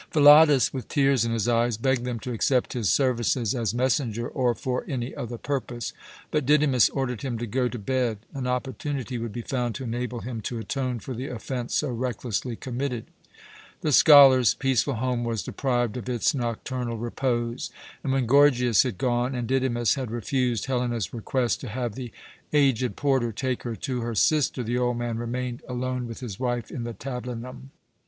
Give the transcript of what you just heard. Philotas, with tears in his eyes, begged them to accept his services as messenger or for any other purpose; but Didymus ordered him to go to bed. An opportunity would be found to enable him to atone for the offence so recklessly committed. The scholar's peaceful home was deprived of its nocturnal repose, and when Gorgias had gone and Didymus had refused Helena's request to have the aged porter take her to her sister, the old man remained alone with his wife in the tablinum.